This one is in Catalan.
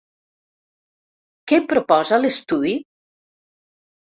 Què proposa l'Estudi?